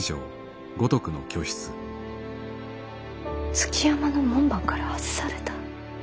築山の門番から外された？